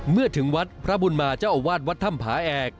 เมื่อถึงวัดพระบุญมาเจ้าอาวาสวัดถ้ำผาแอก